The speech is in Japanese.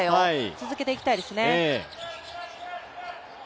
続けていきたいですね。